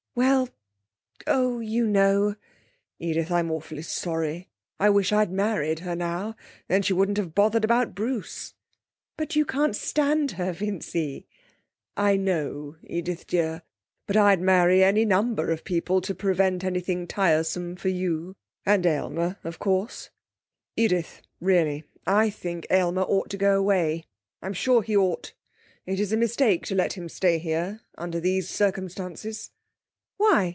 'Well oh, you know ' 'Edith, I'm awfully sorry; I wish I'd married her now, then she wouldn't have bothered about Bruce.' 'But you can't stand her, Vincy.' 'I know, Edith dear; but I'd marry any number of people to prevent anything tiresome for you. And Aylmer, of course Edith, really, I think Aylmer ought to go away; I'm sure he ought. It is a mistake to let him stay here under these circumstances.' 'Why?'